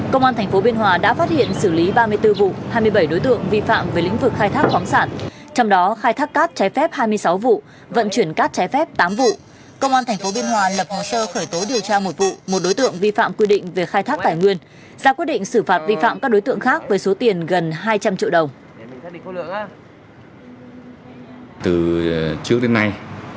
có rất nhiều khó khăn cho công tác bắt chữ xử lý có rất nhiều khó khăn cho công tác bắt chữ xử lý